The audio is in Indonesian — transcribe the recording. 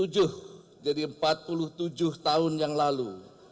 tujuh jadi empat puluh tujuh tahun yang lalu